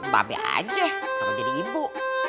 bapak aja apa jadi ibu